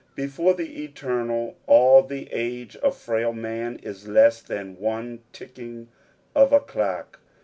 Before the Eternal, all the age of frail man is leaa than one ticking of a clock.